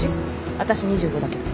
わたし２５だけど。